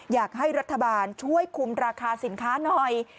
อยากให้รัฐบาลช่วยคุมราคาสินค้าหน่อย